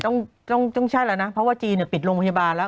ต้องต้องใช่แล้วนะเพราะว่าจีนปิดโรงพยาบาลแล้ว